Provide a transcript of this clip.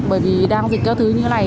bởi vì đang dịch các thứ như thế này